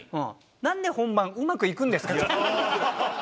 なんで本番うまくいくんですか？